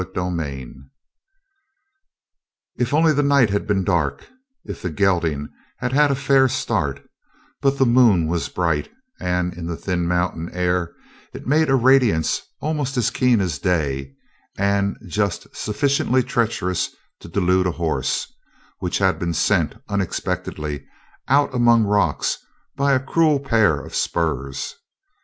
CHAPTER 22 If only the night had been dark, if the gelding had had a fair start; but the moon was bright, and in the thin mountain air it made a radiance almost as keen as day and just sufficiently treacherous to delude a horse, which had been sent unexpectedly out among rocks by a cruel pair of spurs.